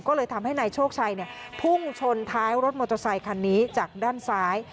ก็เลยทำให้นายโชคชัยพุ่งชนท้ายรถมอเตอร์ไซคันนี้จากด้านซ้าย